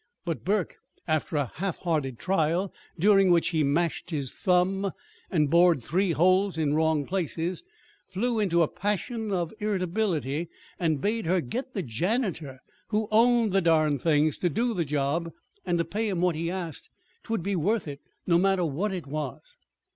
But Burke, after a half hearted trial, during which he mashed his thumb and bored three holes in wrong places, flew into a passion of irritability, and bade her get the janitor who "owned the darn things" to do the job, and to pay him what he asked 'twould be worth it, no matter what it was!